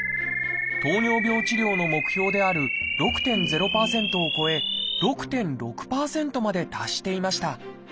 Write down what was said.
糖尿病治療の目標である６．０％を超え６．６％まで達していました。